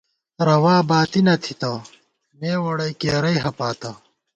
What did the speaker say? * رَوا باتی نہ تھِتہ، مے ووڑئی کېرَئی ہَپاتہ